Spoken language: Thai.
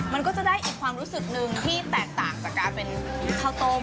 มันก็จะได้อีกความรู้สึกหนึ่งที่แตกต่างจากการเป็นข้าวต้ม